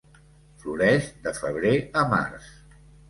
Floreix de febrer a març.